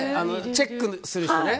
チェックするひとね。